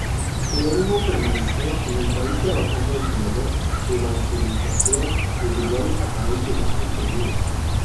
Jerónimo permaneció en el país trabajando en su labor evangelizadora en lugares aparentemente seguros.